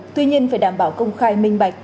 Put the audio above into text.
tuy nhiên phải đảm bảo công khai minh bạch